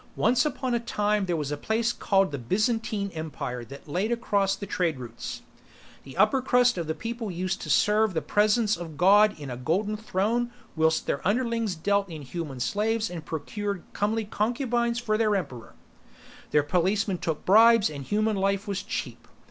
Once upon a time there was a place called the Byzantine Empire that laid across the trade routes. The upper crust of people used to serve the Presence of God in a golden throne whilst their underlings dealt in human slaves and procured comely concubines for the emperor; their policemen took bribes and human life was cheap.